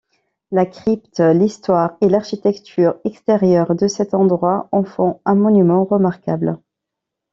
La crypte, l’histoire et l’architecture extérieure de cet endroit en font un monument remarquable.